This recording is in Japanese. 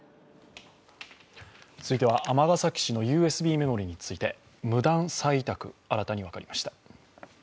続いては、尼崎市のＵＳＢメモリーについて無断再委託、新たに分かりました。